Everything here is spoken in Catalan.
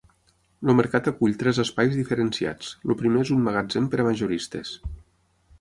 El mercat acull tres espais diferenciats: el primer és un magatzem per a majoristes.